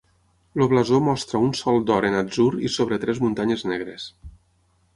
El blasó mostra un Sol d'or en atzur i sobre tres muntanyes negres.